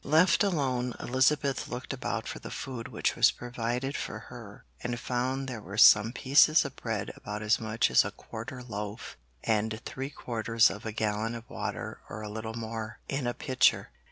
Left alone, Elizabeth looked about for the food which was provided for her, and found there were some pieces of bread about as much as a 'quartern loaf' and three quarters of a gallon of water or a little more, in a pitcher.